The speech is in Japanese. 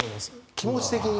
気持ち的に。